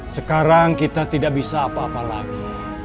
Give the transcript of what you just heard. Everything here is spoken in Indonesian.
sekarang kita tidak bisa apa apa lagi